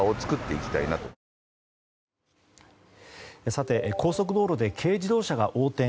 さて、高速道路で軽自動車が横転。